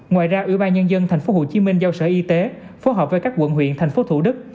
ngoài ra ubnd tp hcm giao sở y tế phối hợp với các quận huyện tp thủ đức